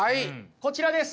こちらです！